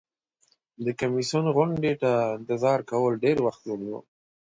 د کمیسیون غونډې ته انتظار کول ډیر وخت ونیو.